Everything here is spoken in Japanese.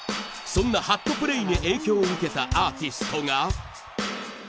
そんなハットプレイに影響を受けたアーティストが。